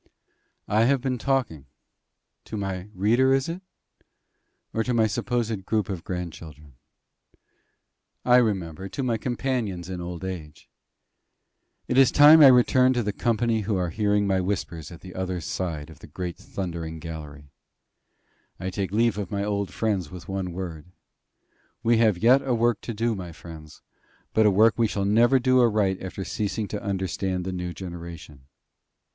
I have been talking to my reader is it? or to my supposed group of grandchildren? I remember to my companions in old age. It is time I returned to the company who are hearing my whispers at the other side of the great thundering gallery. I take leave of my old friends with one word: We have yet a work to do, my friends; but a work we shall never do aright after ceasing to understand the new generation.